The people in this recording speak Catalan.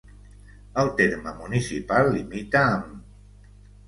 El terme municipal limita amb: